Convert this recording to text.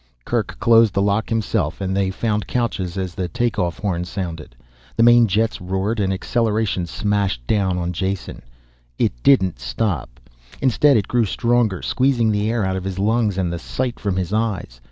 Kerk closed the lock himself and they found couches as the take off horn sounded. The main jets roared and acceleration smashed down on Jason. It didn't stop. Instead it grew stronger, squeezing the air out of his lungs and the sight from his eyes.